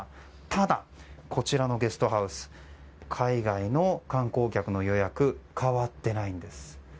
ただ、こちらのゲストハウスは海外の観光客の予約変わってないんです。